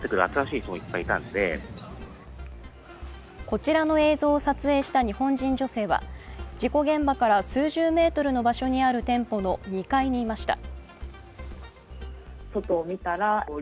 こちらの映像を撮影した日本人女性は事故現場から数十メートルの場所にある店舗の２階にいました。